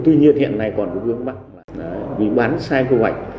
tuy nhiên hiện nay còn có vương mặt vì bán sai quy hoạch